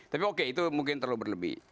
tapi oke itu mungkin terlalu berlebih